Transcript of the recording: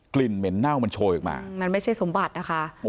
กลิ่นเหม็นเน่ามันโชว์ออกมามันไม่ใช่สมบัตินะคะโอ้โห